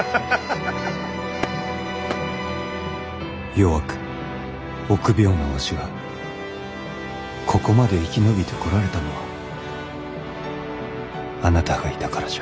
弱く臆病なわしがここまで生き延びてこられたのはあなたがいたからじゃ。